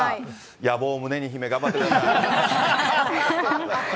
野望を胸に秘め、頑張ってください。